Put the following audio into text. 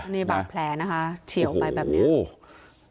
อันนี้บังแผลนะคะเฉียวไปแบบนี้